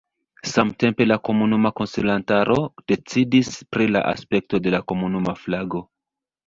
Samtempe la komunuma konsilantaro decidis pri la aspekto de la komunuma flago.